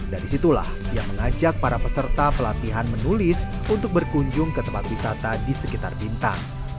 dari situlah dia mengajak para peserta pelatihan menulis untuk berkunjung ke tempat wisata di sekitar bintang